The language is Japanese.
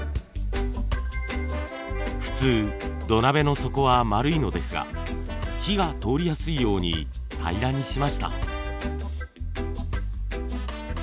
普通土鍋の底は丸いのですが火が通りやすいように平らにしました。